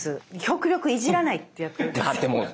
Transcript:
極力いじらないってやってるんですよ。